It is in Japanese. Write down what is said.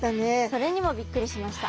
それにもびっくりしました。